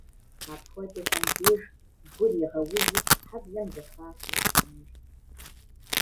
Апхуэдэхэм деж, гур игъэузу, хьэблэм зэхахыу кӏийрт.